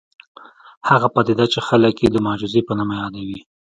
هغه پدیده چې خلک یې د معجزې په نامه یادوي